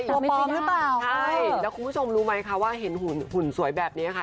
ตัวปลอมหรือเปล่าใช่แล้วคุณผู้ชมรู้ไหมคะว่าเห็นหุ่นสวยแบบนี้ค่ะ